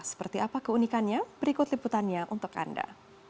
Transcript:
seperti apa keunikannya berikut liputannya untuk anda